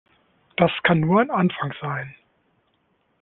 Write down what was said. Das kann nur ein Anfang sein.